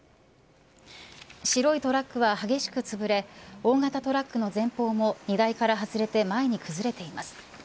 白いトラックは激しくつぶれ大型トラックの前方も荷台から外れて前に崩れています。